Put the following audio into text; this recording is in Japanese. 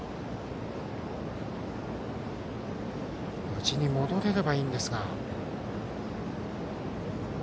無事に戻れればいいんですが。